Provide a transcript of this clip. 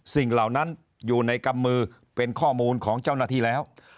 เหล่านั้นอยู่ในกำมือเป็นข้อมูลของเจ้าหน้าที่แล้ว